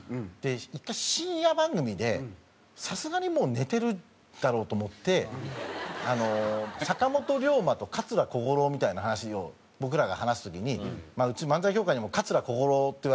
１回深夜番組でさすがにもう寝てるだろうと思って坂本龍馬と桂小五郎みたいな話を僕らが話す時に「漫才協会にも桂小五郎っていわれてるね